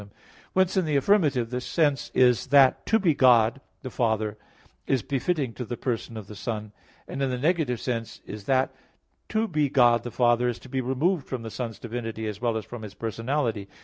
_ Whence, in the affirmative the sense is that "to be God the Father" is befitting to the person of the Son; and in the negative sense is that "to be God the Father," is to be removed from the Son's divinity as well as from His personality.